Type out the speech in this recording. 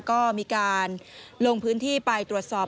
ก็มีการลงพื้นที่ไปตรวจสอบ